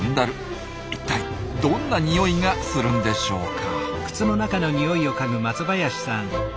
一体どんなニオイがするんでしょうか。